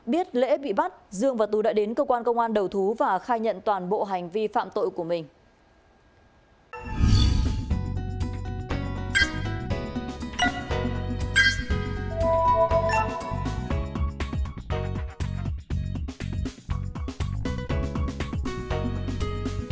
biết lễ bị bắt dương và tú đã đến cơ quan công an đầu thú và khai nhận toàn bộ hành vi phạm tội của mình